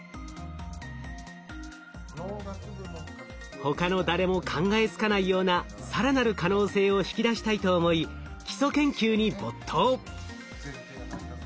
他の誰も考えつかないような更なる可能性を引き出したいと思い基礎研究に没頭。